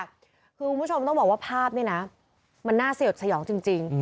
คือคุณผู้ชมต้องบอกว่าภาพนี้น่าเสะแต่สยองจริง